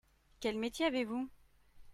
Quel métier avez-vous ?